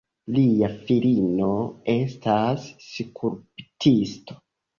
Lia filino estas skulptisto.